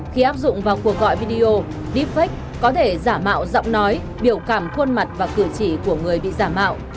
khi áp dụng vào cuộc gọi video deepfake có thể giả mạo giọng nói biểu cảm khuôn mặt và cử chỉ của người bị giả mạo